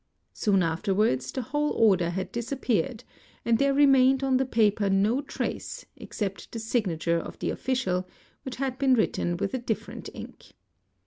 Soon afterwards the whole order had disappeared and there remained on the paper no trace except the signature of the official, which had been written with a different ink.